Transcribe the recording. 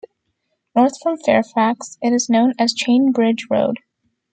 North from Fairfax, it is known as Chain Bridge Road.